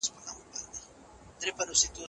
که انلاين درس پلان ولري ګډوډي نه پيدا کيږي.